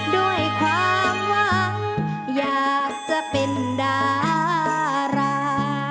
ด้วยความหวังอยากจะเป็นดารา